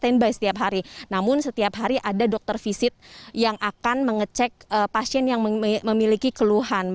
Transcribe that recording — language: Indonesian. namun setiap hari ada dokter visit yang akan mengecek pasien yang memiliki keluhan